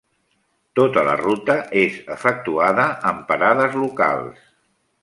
Tota la ruta és efectuada amb parades locals.